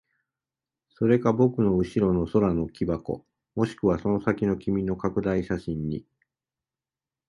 それか僕の後ろの空の木箱、もしくはその先の君の拡大写真に。